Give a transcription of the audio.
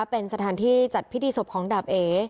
เป็นสถานที่จัดพิธีศพของดาบเอ